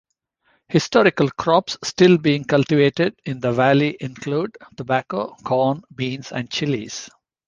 Historical crops still being cultivated in the valley include: tobacco, corn, beans and chiles.